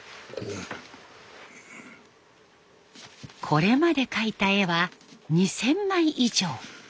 これまで描いた絵は２，０００枚以上。